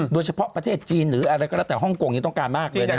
โดยเฉพาะประเทศจีนหรืออะไรก็แล้วแต่ฮ่องกงยังต้องการมากเลยนะฮะ